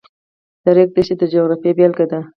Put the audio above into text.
د ریګ دښتې د جغرافیې بېلګه ده.